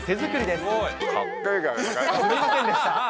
すみませんでした。